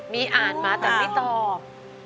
มีอ่านมาแต่ไม่ตอบ